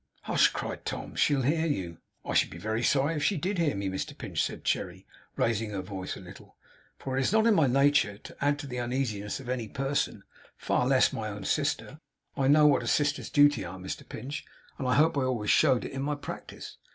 'Hush!' cried Tom. 'She'll hear you.' 'I should be very sorry if she did hear me, Mr Pinch,' said Cherry, raising her voice a little; 'for it is not in my nature to add to the uneasiness of any person; far less of my own sister. I know what a sister's duties are, Mr Pinch, and I hope I always showed it in my practice.